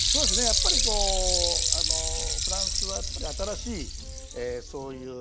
やっぱりこうフランスはやっぱり新しいそういう何つうの？